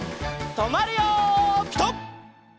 とまるよピタ！